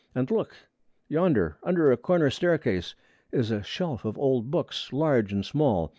And look! Yonder, under a corner staircase, is a shelf of old books, large and small.